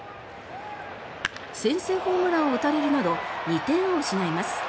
先制ホームランを打たれるなど２点を失います。